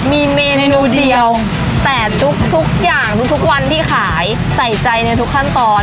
มีเมนูเดียวแต่ทุกอย่างทุกวันที่ขายใส่ใจในทุกขั้นตอน